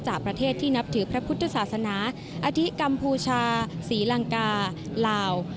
จากประเทศที่นับถือพระพุทธศาสนาอธิกัมพูชาศรีลังกาลาว